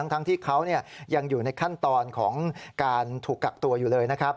ทั้งที่เขายังอยู่ในขั้นตอนของการถูกกักตัวอยู่เลยนะครับ